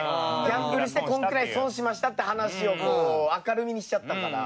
ギャンブルしてこんぐらい損しましたって話をこう明るみにしちゃったから。